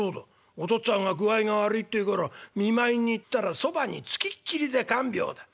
お父っつぁんが具合が悪いっていうから見舞いに行ったらそばに付きっきりで看病だ。